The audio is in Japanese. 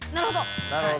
なるほど。